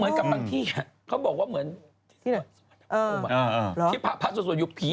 สรุปนะคะเนี่ยที่ของที่เยี่ยมนี้